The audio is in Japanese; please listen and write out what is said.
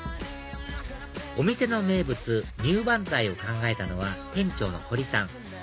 お店の名物にゅばんざいを考えたのは店長の堀さん